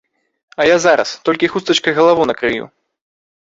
А я зараз, толькі хустачкай галаву накрыю.